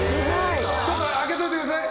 ちょっと上げといてください。